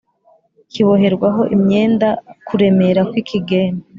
Kiboherwaho imyenda kuremera kw ikigembe